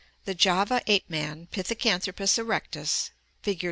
— The Java ape man, Pithecanthropus erectus (Fig.